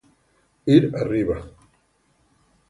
Ir Arriba